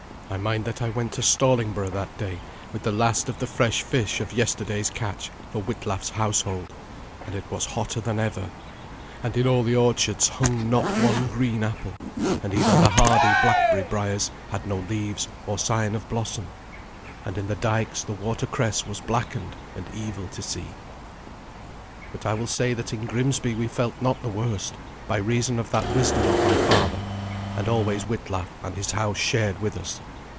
I mind that I went to Stallingborough that day with the last of the fresh fish of yesterday's catch for Witlaf's household, and it was hotter than ever; and in all the orchards hung not one green apple, and even the hardy blackberry briers had no leaves or sign of blossom, and in the dikes the watercress was blackened and evil to see. But I will say that in Grimsby we felt not the worst, by reason of that wisdom of my father, and always Witlaf and his house shared with us.